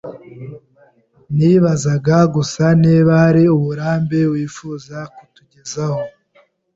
Nibazaga gusa niba hari uburambe wifuza kutugezaho.